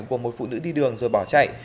của một phụ nữ đi đường rồi bỏ chạy